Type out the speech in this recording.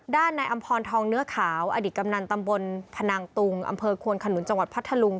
ด้านในอำพรทองเนื้อขาวอดีตกำนันตำบลพนังตุงอำเภอควนขนุนจังหวัดพัทธลุง